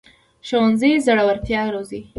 ښوونځی زړورتیا روزي